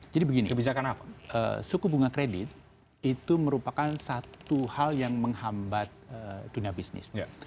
jadi begini suku bunga kredit itu merupakan satu hal yang menghambat dunia bisnis